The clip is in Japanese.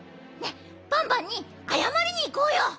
ねえバンバンにあやまりにいこうよ！